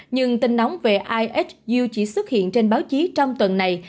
nhưng tin nóng về ihu chỉ xuất hiện trên báo chí trong tuần này